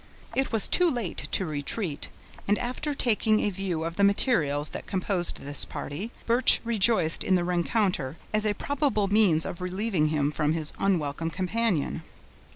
It was too late to retreat, and after taking a view of the materials that composed this party, Birch rejoiced in the rencounter, as a probable means of relieving him from his unwelcome companion.